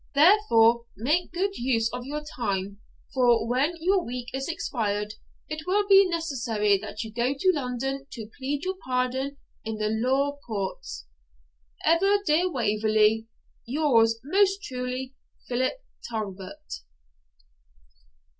Therefore make good use of your time, for, when your week is expired, it will be necessary that you go to London to plead your pardon in the law courts. 'Ever, dear Waverley, yours most truly, 'PHILIP TALBOT.'